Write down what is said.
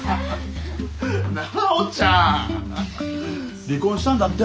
奈緒ちゃん！離婚したんだって？